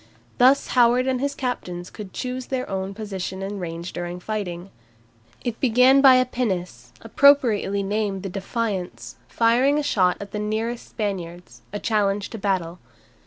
Thus Howard and his captains could choose their own position and range during the fighting. It began by a pinnace, appropriately named the "Defiance," firing a shot at the nearest Spaniards, a challenge to battle.